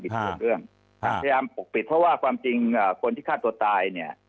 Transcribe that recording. เภยมปกปิดเพราะว่าคนที่ฆ่าตัวตายเนี่ย